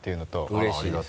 うれしいです。